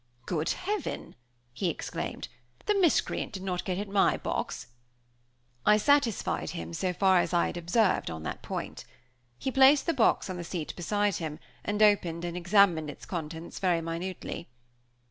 "Good heaven!" he exclaimed, "the miscreant did not get at my box box?" I satisfied him, so far as I had observed, on that point. He placed the box on the seat beside him, and opened and examined its contents very minutely.